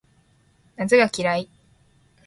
夏が嫌い